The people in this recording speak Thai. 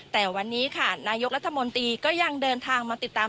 แต่วันนี้ค่ะนายกรัฐมนตรีก็ยังเดินทางมาติดตาม